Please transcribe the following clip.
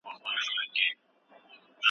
امیر کروړ بابا د پښتنو لومړنی شاعر بلل کیږی.